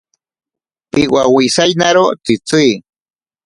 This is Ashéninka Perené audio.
Piwawisainaro tsitsi.